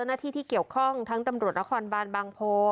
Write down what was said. หน้าที่ที่เกี่ยวข้องทั้งตำรวจนครบานบางโพ